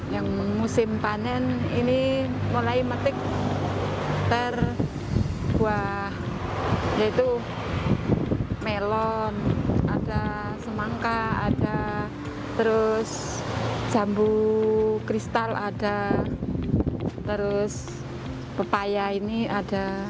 yang musim panen ini mulai metik terbuah yaitu melon ada semangka ada terus jambu kristal ada terus pepaya ini ada